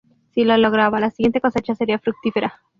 Si lo lograban, la siguiente cosecha sería fructífera.